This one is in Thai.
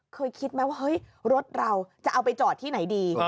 เคยคิดไหมว่าเฮ้ยรถเราจะเอาไปจอดที่ไหนดี